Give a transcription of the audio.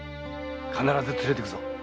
必ず連れてくぞ。